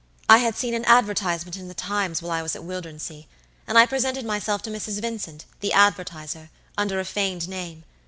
"I had seen an advertisement in the Times while I was at Wildernsea, and I presented myself to Mrs. Vincent, the advertiser, under a feigned name.